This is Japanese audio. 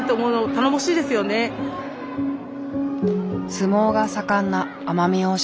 相撲が盛んな奄美大島。